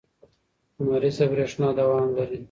لمریزه برېښنا دوام لري.